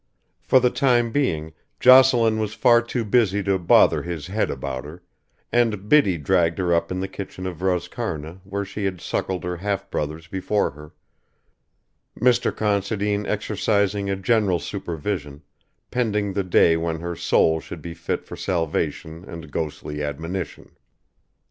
For the time being Jocelyn was far too busy to bother his head about her, and Biddy dragged her up in the kitchen of Roscarna where she had suckled her half brothers before her, Mr. Considine exercising a general supervision, pending the day when her soul should be fit for salvation and ghostly admonition.